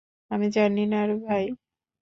আমি জানি না রে, ভাই!